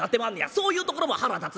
そういうところも腹立つ。